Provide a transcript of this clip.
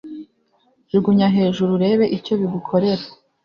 Jugunya hejuru urebe icyo bigukorera